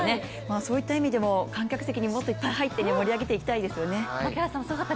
そういった意味でも観客席にもっといっぱい入って盛り上げていきたいですよね。